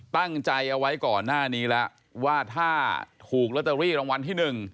ตั้งใจเอาไว้ก่อนหน้านี้แล้วว่าถ้าถูกลอตเตอรี่รางวัลที่๑